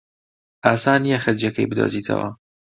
ئاسان نییە خەرجییەکەی بدۆزیتەوە.